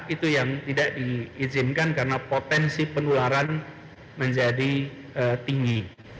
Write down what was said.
itu yang tidak diizinkan karena potensi penularan menjadi tinggi